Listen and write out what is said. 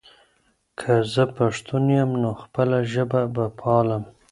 که زه پښتون یم، نو خپله ژبه به پالم.